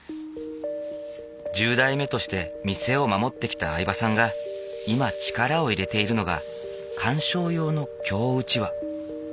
１０代目として店を守ってきた饗庭さんが今力を入れているのが鑑賞用の京うちわ。